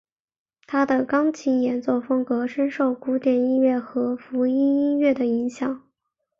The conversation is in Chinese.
他的钢琴演奏风格深受古典音乐和福音音乐的影响。